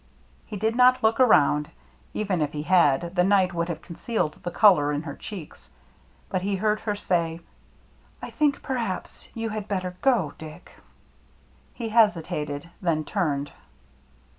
He did not look around. Even if he had, the night would have concealed the color in her cheeks. But he heard her say, " I think perhaps — you had better go, Dick." He hesitated, then turned.